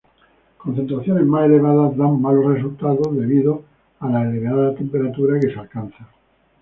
Concentraciones mas elevadas dan malos resultados debido a la elevada temperatura que se alcanza.